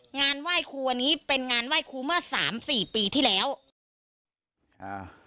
งานไหว้ครูอันนี้เป็นงานไหว้ครูเมื่อสามสี่ปีที่แล้วอ่า